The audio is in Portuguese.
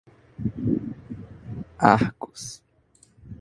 Arcos